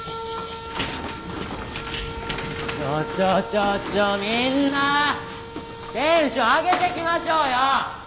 ちょちょみんなテンション上げていきましょうよ！